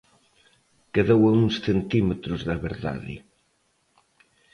Quedou a uns centímetros da verdade.